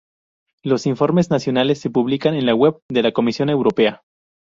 Los informes nacionales se publican en la web de la Comisión Europea.